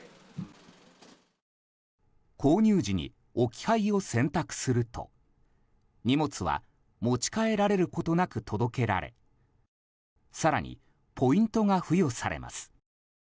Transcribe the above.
購入時に置き配を選択すると荷物は持ち帰られることなく届けられ更に、ポイントが付与されます。